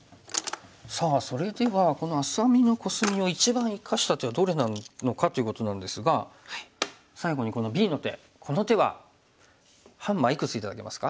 さあそれではこの愛咲美のコスミを一番生かした手はどれなのかということなんですが最後にこのＢの手この手はハンマーいくつ頂けますか？